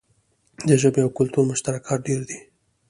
د ژبې او کلتور مشترکات ډیر دي.